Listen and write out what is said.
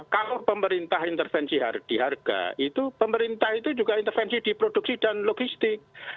kalau pemerintah intervensi di harga itu pemerintah itu juga intervensi di produksi dan logistik